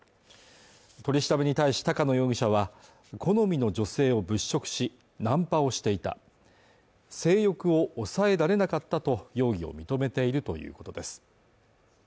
取り調べに対し高野容疑者は好みの女性を物色しナンパをしていた性欲を抑えられなかったと容疑を認めているということです